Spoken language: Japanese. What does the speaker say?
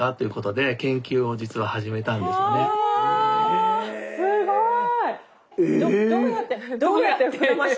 えすごい！